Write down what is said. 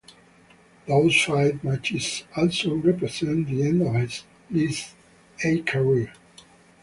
Those five matches also represent the end of his List A career.